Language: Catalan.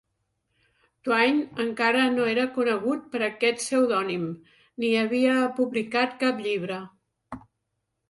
Twain encara no era conegut per aquest pseudònim ni havia publicat cap llibre.